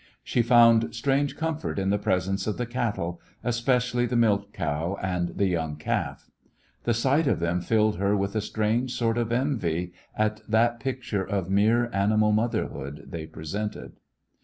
She found strange comfort in the presence of the cattle, especially the milch cow and the young calf. The sight of them filled her with a A Christmas When strange sort of envy at that picture of mere animal motherhood they presented.